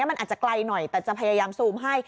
มันอาจจะไกลหน่อยแต่จะพยายามซูมให้